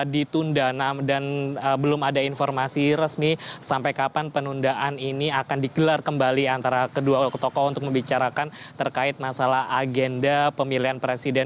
ditunda dan belum ada informasi resmi sampai kapan penundaan ini akan digelar kembali antara kedua tokoh untuk membicarakan terkait masalah agenda pemilihan presiden